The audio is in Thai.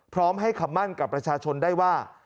พร้อมให้คำมั่นกับประชาชนได้ว่า